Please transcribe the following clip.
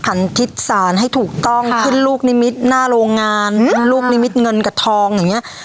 หันทิศศาลให้ถูกต้องขึ้นลูกนิมิตรหน้าโรงงานลูกนิมิตเงินกับทองอย่างเงี้ย